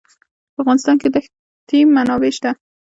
په افغانستان کې د ښتې منابع شته.